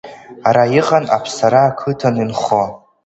Ара иҟан Аԥсара ақыҭан инхо…